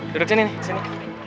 duduk sini nih sini